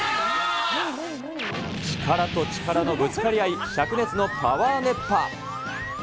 力と力のぶつかり合い、しゃく熱のパワー熱波。